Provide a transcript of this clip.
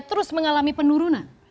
terus mengalami penurunan